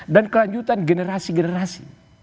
dan kelanjutan generasi generasi